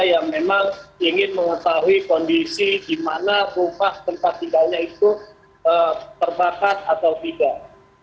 yang memang ingin mengetahui kondisi di mana rumah tempat tinggalnya itu terbakar atau tidak